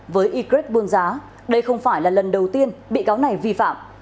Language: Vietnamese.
với y buôn giá đây không phải là lần đầu tiên bị cáo này vi phạm